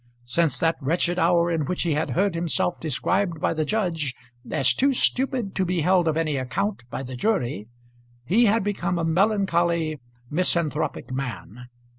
Since that wretched hour in which he had heard himself described by the judge as too stupid to be held of any account by the jury he had become a melancholy, misanthropic man.